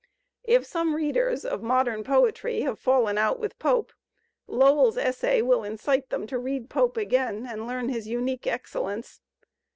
If some readers of modem poetry have fallen out with Pope, Lowell's essay will incite them to read Pope again and learn his unique excellence.